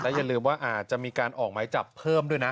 อย่าลืมว่าอาจจะมีการออกหมายจับเพิ่มด้วยนะ